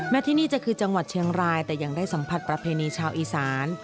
ที่นี่จะคือจังหวัดเชียงรายแต่ยังได้สัมผัสประเพณีชาวอีสาน